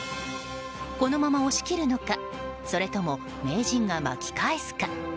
このまま押し切るのかそれとも名人が巻き返すか。